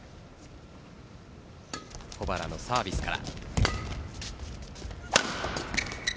保原のサービスから。